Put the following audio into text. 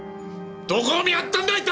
どこを見張ったんだ一体！！